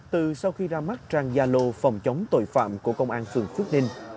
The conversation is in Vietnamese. từ sau khi ra mắt trang gia lô phòng chống tội phạm của công an phường phước ninh